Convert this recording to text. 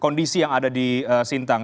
kondisi yang ada di sintang